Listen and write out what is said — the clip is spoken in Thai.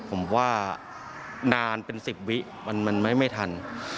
ผมว่านานเป็น๑๐วิมันไม่ทัน